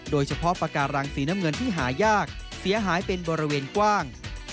ปากการังสีน้ำเงินที่หายากเสียหายเป็นบริเวณกว้าง